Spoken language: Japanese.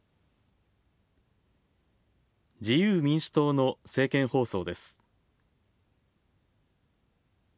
自由民主党の政見放送です。